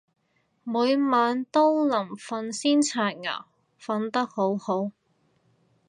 每晚都臨瞓先刷牙，瞓得好好